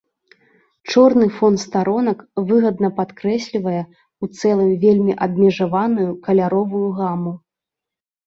Чорны фон старонак выгадна падкрэслівае ў цэлым вельмі абмежаваную каляровую гаму.